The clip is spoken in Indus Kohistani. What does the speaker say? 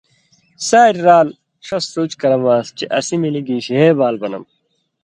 ساریۡ رال ݜس سُوچ کرمان٘س چے اسی ملی گِشے بال بنم۔